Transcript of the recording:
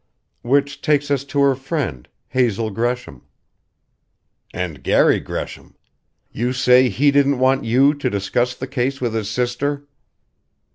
Which takes us to her friend Hazel Gresham." "And Garry Gresham. You say he didn't want you to discuss the case with his sister."